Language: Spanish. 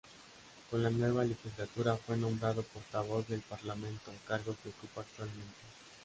Con la nueva legislatura fue nombrado Portavoz del Parlamento, cargo que ocupa actualmente.